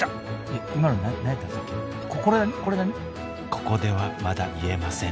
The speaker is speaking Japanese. ここではまだ言えません。